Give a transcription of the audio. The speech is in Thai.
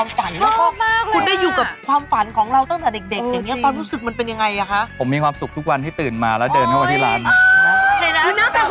อย่างนี้ถ้าเกิดว่ามันเหมือนเป็นความฝันแล้วก็คุณได้อยู่กับความฝันของเราตั้งแต่เด็กอย่างนี้ความรู้สึกมันเป็นยังไงคะอย่างนี้ถ้าเกิดว่ามันเหมือนเป็นความฝันแล้วก็คุณได้อยู่กับความฝันของเราตั้งแต่เด็กอย่างนี้ความรู้สึกมันเป็นยังไงคะ